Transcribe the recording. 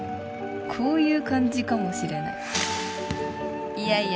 こういう感じかもしれないいやいや